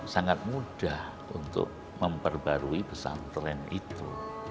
sangat mudah untuk memperbarui pesantren itu